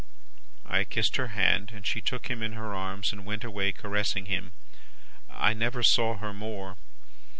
I kissed her hand, and she took him in her arms, and went away caressing him. I never saw her more.